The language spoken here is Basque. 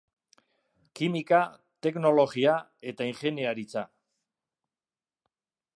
Kimika, Teknologia eta Ingeniaritza.